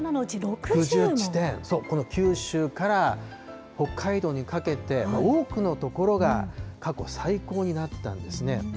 この九州から北海道にかけて、多くの所が過去最高になったんですね。